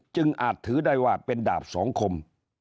อาจถือได้ว่าเป็นดาบสองคม